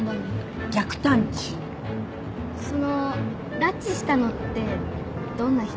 その拉致したのってどんな人？